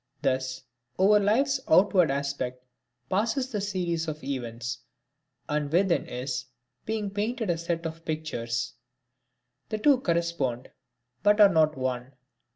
Thus, over Life's outward aspect passes the series of events, and within is being painted a set of pictures. The two correspond but are not one.